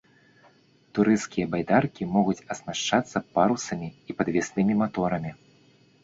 Турысцкія байдаркі могуць аснашчацца парусамі і падвеснымі маторамі.